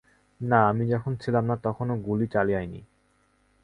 না, আমি যখন ছিলাম না তখনও গুলি চালায়নি।